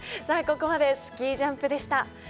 さあここまでスキージャンプでした。